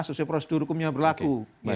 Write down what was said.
sesuai prosedur hukum yang berlaku